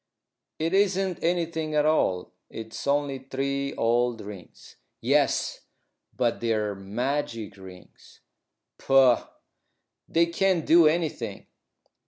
"It isn't anything at all. It's only three old rings." "Yes, but they're magic rings." "Pooh! They can't do anything."